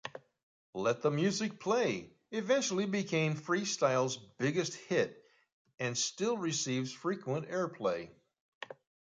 "Let the Music Play" eventually became freestyle's biggest hit, and still receives frequent airplay.